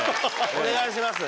お願いします。